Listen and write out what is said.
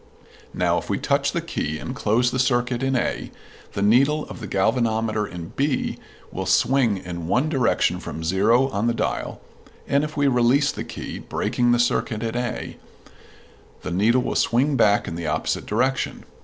Now if we touch the key and close the circuit in A, the needle of the galvanometer in B will swing in one direction from zero on the dial; and if we release the key, breaking the circuit in A, the needle will swing back in the opposite direction.